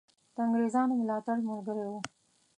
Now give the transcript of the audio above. د انګرېزانو ملاتړ ملګری وو.